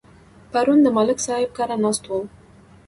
پرون د ملک صاحب کره ناست وو.